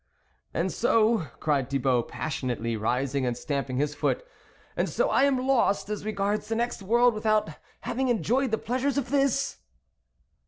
" And so," cried Thibault passionately, rising and stamping his foot, " and so I am lost as regards the next world without having enjoyed the pleasures of this